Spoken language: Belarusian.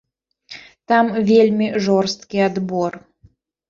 Там вельмі жорсткі адбор.